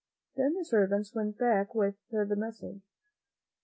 Then the servants went back with the mes sage.